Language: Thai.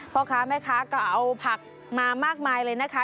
พ่อค้าแม่ค้าก็เอาผักมามากมายเลยนะคะ